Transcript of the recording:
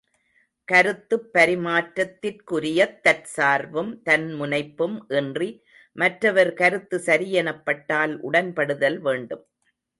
கருத்துப் பரிமாற்றத்திற்குரியத் தற்சார்பும் தன் முனைப்பும் இன்றி, மற்றவர் கருத்து சரியெனப்பட்டால் உடன்படுதல் வேண்டும்.